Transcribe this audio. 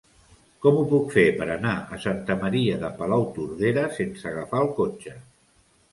Com ho puc fer per anar a Santa Maria de Palautordera sense agafar el cotxe?